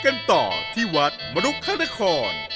และหลวงไปที่วัดมาลุคถานคร